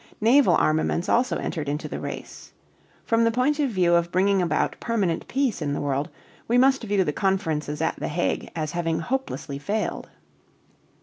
Naval armaments also entered into the race. From the point of view of bringing about permanent peace in the world we must view the conferences at The Hague as having hopelessly failed.